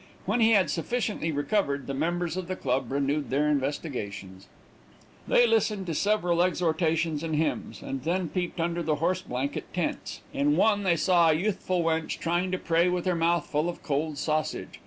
When he had sufficiently recovered, the members of the club renewed their investigations. They listened to several exhortations and hymns, and then peeped under the horse blanket tents. In one they saw a youthful wench, trying to pray with her mouth full of cold sausage.